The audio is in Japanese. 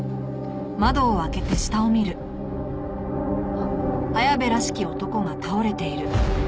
あっ。